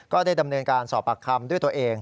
ก็ได้ดำเนินการสอบปากคำด้วยตัวเอง